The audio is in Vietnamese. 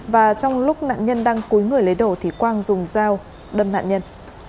và trong lúc nạn nhân đang cúi người lấy đồ thì quang dùng dao đâm nạn nhân